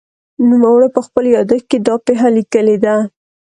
نوموړي په خپل یادښت کې دا پېښه لیکلې ده.